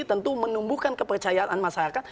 tentu menumbuhkan kepercayaan masyarakat